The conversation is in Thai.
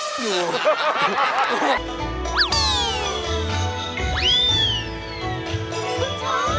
คุณช้า